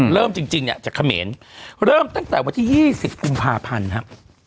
เริ่มจริงจากเขมรเริ่มตั้งแต่วันที่๒๐คุมภาพันธุ์